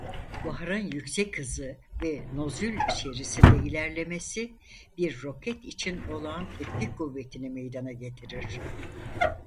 Buharın yüksek hızı ve nozül içerisinde ilerlemesi bir roket için olağan tepki kuvvetini meydana getirir.